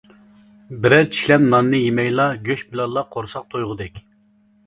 بىرەر چىشلەم ناننى يېمەيلا، گۆش بىلەنلا قورساق تويغۇدەك.